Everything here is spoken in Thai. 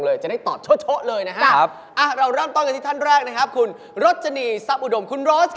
จะได้ตอบโชเลยนะครับเราเริ่มต้นกันที่ท่านแรกนะครับคุณรจนีทรัพย์อุดมคุณโรส